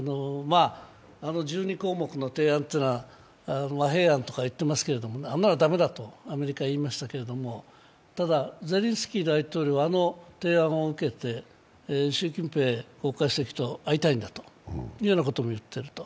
１２項目の提案というのは和平案といっていますがあんなの駄目だとアメリカは言いましたけれどもただ、ゼレンスキー大統領はあの提案を受けて、習近平国家主席と会いたいんだというようなことも言っている。